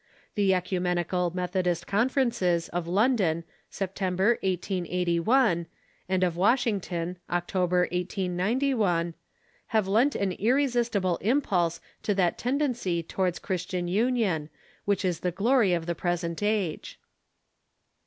The Oecumenical Methodist Conferences of London, Septem ber, 1881, and of Washington, October, 1891, have lent an irresistible impulse to that tendency towards Christian union which is the glory of the present age.